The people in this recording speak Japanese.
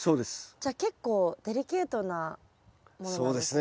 じゃあ結構デリケートなものなんですね。